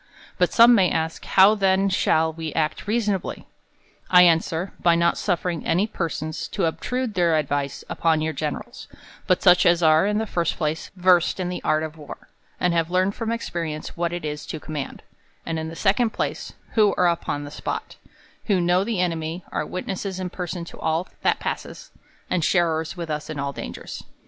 But some may ask, How then shall we act reasonably? I answer, ;by not sufiering any persons to obtrude their advice upon your generals, but such as are, in the first place, versed in the art of war, and have learned from experience what it is to command ; and in the second place, who are upon the spot ; who know the enemy ; are witnesses in person to all that passes ; and sharers with us in all dangers.